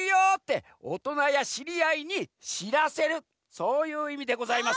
そういういみでございます。